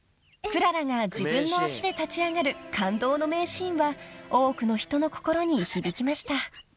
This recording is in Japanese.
［クララが自分の足で立ち上がる感動の名シーンは多くの人の心に響きました］